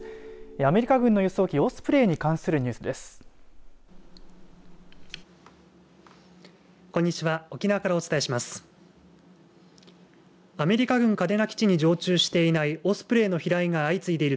アメリカ軍の輸送機オスプレイに関するニュースです。